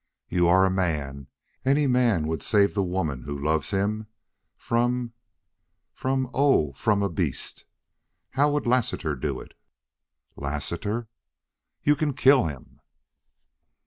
"You are a man. Any man would save the woman who loves him from from Oh, from a beast!... How would Lassiter do it?" "Lassiter!" "YOU CAN KILL HIM!"